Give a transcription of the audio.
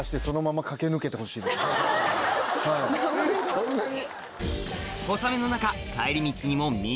そんなに？